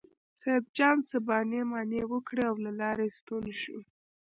سیدجان څه بانې مانې وکړې او له لارې ستون شو.